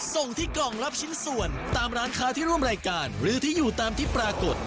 ส่งที่กล่องรับชิ้นส่วนตามร้านค้าที่ร่วมรายการหรือที่อยู่ตามที่ปรากฏ